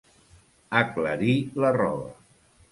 Aclarir la roba.